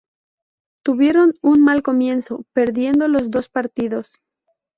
Tuvieron un mal comienzo, perdiendo los dos partidos.